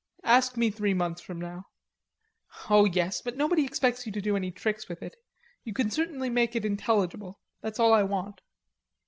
Ask me three months from now." "Oh, yes; but nobody expects you to do any tricks with it. You can certainly make it intelligible. That's all I want."